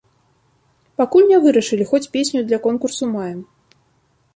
Пакуль не вырашылі, хоць песню для конкурсу маем.